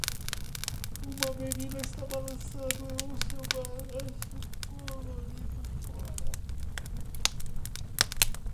Uma menina está balançando em seu balanço colorido fora.